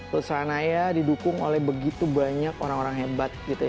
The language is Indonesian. perusahaanaya didukung oleh begitu banyak orang orang hebat gitu ya